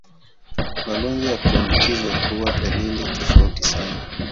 Magonjwa ya kuambukizwa huwa na dalili tofauti sana.